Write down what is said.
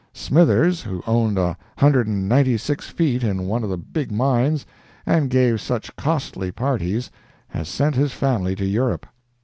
Smithers, who owned a hundred and ninety six feet in one of the big mines, and gave such costly parties, has sent his family to Europe.